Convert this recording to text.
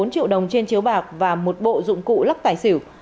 bốn triệu đồng trên chiếu bạc và một bộ dụng cụ lắc tài xỉu